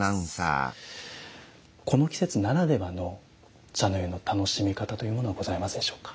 この季節ならではの茶の湯の楽しみ方というものはございますでしょうか。